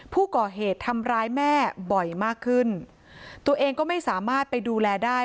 ผู้ก่อเหตุทำร้ายแม่บ่อยมากขึ้นตัวเองก็ไม่สามารถไปดูแลได้